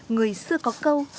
người xưa có câu